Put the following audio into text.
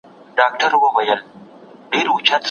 شکر د نعمت ساتنه کوي.